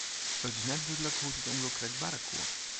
It is net dúdlik hoe't it ûngelok krekt barre koe.